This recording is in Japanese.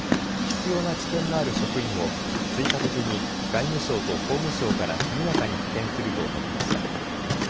必要な知見のある職員を追加的に外務省と法務省から速やかに派遣すると述べました。